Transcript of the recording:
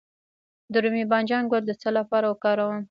د رومي بانجان ګل د څه لپاره وکاروم؟